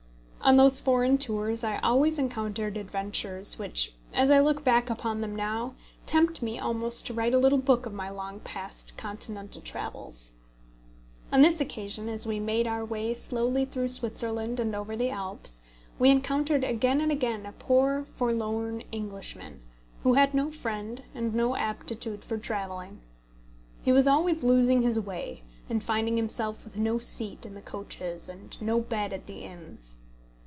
On those foreign tours I always encountered adventures, which, as I look back upon them now, tempt me almost to write a little book of my long past Continental travels. On this occasion, as we made our way slowly through Switzerland and over the Alps, we encountered again and again a poor forlorn Englishman, who had no friend and no aptitude for travelling. He was always losing his way, and finding himself with no seat in the coaches and no bed at the inns.